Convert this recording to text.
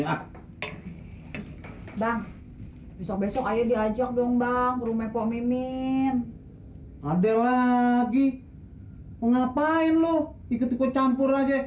bang besok besok aja diajak dong bang rumah pak mimin ada lagi ngapain lu ikut ikut campur aja